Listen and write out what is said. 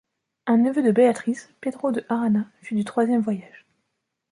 Un neveu de Beatriz, Pedro de Arana, fut du troisième voyage.